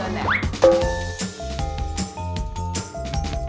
ไม่ต้องไม่ต้องเสริม